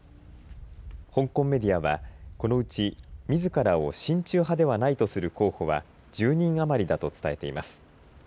香港メディアはこのうち、みずからを親中派ではないとする候補は１０人余りだと伝えています。